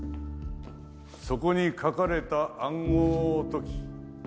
そこに書かれた暗号を解き